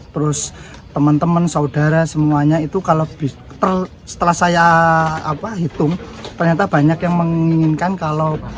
terus teman teman saudara semuanya itu kalau setelah saya hitung ternyata banyak yang menginginkan kalau